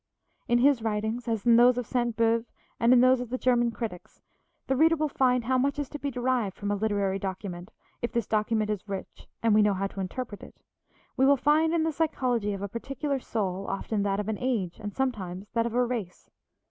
In his writings, as in those of Sainte Beuve and in those of the German critics the reader will find how much is to be derived from a literary document, if this document is rich and we know how to interpret it, we will find in the psychology of a particular soul, often that of an age, and sometimes that of a race.